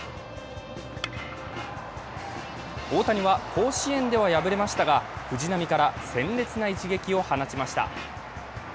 大谷は甲子園では敗れましたが藤浪から鮮烈な一撃を放ちました。